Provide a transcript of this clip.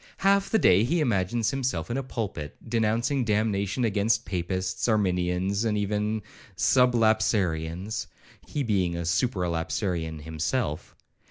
Half the day he imagines himself in a pulpit, denouncing damnation against Papists, Arminians, and even Sublapsarians, (he being a Supra lapsarian himself).